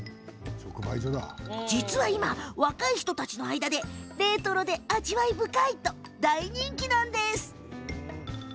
実は今、若い人たちの間でレトロで味わい深いと大人気なんです。